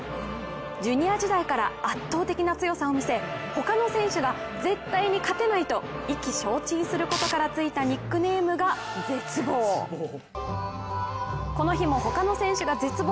ジュニア時代から圧倒的な強さを見せ他の選手が絶対に勝てないと意気消沈することからついたニックネームが「絶望」。